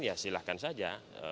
ya silahkan saja